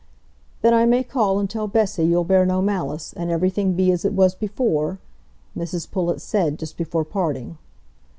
"Then I may call and tell Bessy you'll bear no malice, and everything be as it was before?" Mrs Pullet said, just before parting.